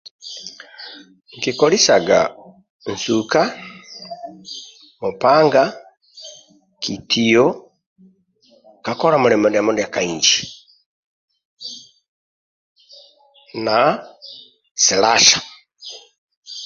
Nkikolisaga nsuka, mupanga, kitiyo ka kola mulimo ndiamo ndia ka inji na slasher